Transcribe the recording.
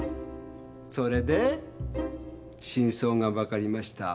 それで真相が分かりました。